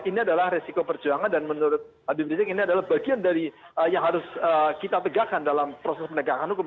ini adalah resiko perjuangan dan menurut habib rizik ini adalah bagian dari yang harus kita tegakkan dalam proses penegakan hukum